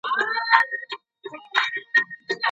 د نښتر وني لنډي نه وي.